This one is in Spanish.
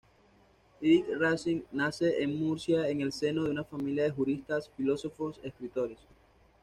Ibn-Razín nace en Murcia en el seno de una familia de juristas, filósofos, escritores.